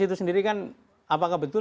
itu sendiri kan apakah betul